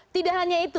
tidak hanya itu